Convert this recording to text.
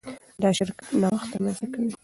دا شرکت نوښت رامنځته کوي.